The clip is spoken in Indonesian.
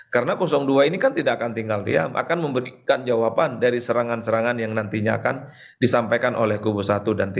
karena dua ini kan tidak akan tinggal diam akan memberikan jawaban dari serangan serangan yang nantinya akan disampaikan oleh kubu satu